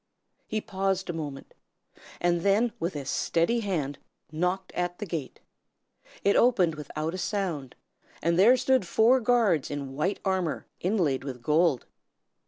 He paused a moment, and then with a steady hand knocked at the gate. It opened without a sound, and there stood four guards in white armor inlaid with gold.